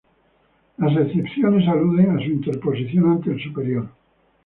Las excepciones aluden a su interposición ante el superior.